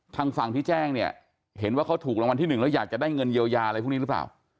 ทางฝั่งที่แจ้งเนี่ยเห็นว่าเขาถูกรางวัลที่หนึ่งแล้วอยากจะได้เงินเยียวยาอะไรพวกนี้หรือเปล่า